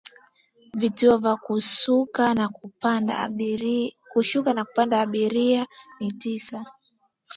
Vituo vya kushuka na kupanda abiria ni tisa